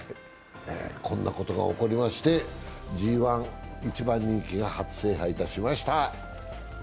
こんなことが起こりまして、ＧⅠ１番人気が初制覇しました。